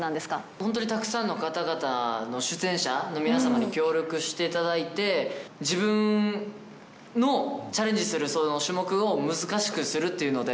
本当にたくさんの方々の、出演者の皆さんに協力していただいて、自分のチャレンジするその種目を難しくするというので、